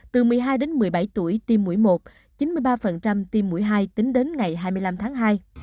từ một mươi hai đến một mươi bảy tuổi tiêm mũi một chín mươi ba tiêm mũi hai tính đến ngày hai mươi năm tháng hai